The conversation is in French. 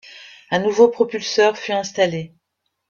Un nouveau propulseur fut installé.